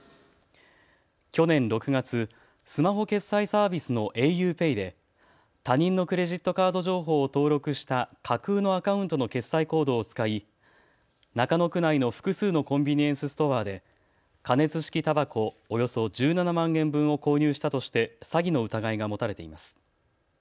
去年６月、スマホ決済サービスのａｕＰＡＹで他人のクレジットカード情報を登録した架空のアカウントの決済コードを使い中野区内の複数のコンビニエンスストアで加熱式たばこおよそ１７万円分を購入したとして詐欺の疑いが持たれています。